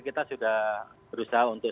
kita sudah berusaha untuk